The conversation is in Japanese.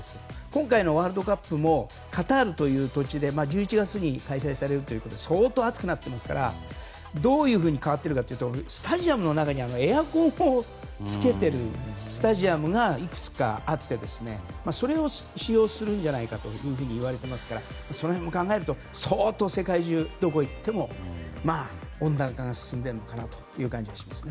今回のワールドカップもカタールという土地で１１月に開催されるということで相当暑くなっていますからどういうふうに変わっているかというとスタジアムの中にエアコンをつけているスタジアムがいくつかあってそれを使用するんじゃないかといわれていますからその辺も考えると相当、世界中、どこに行っても温暖化が進んでいるのかなという感じがします。